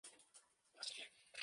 La sede del condado es Jay.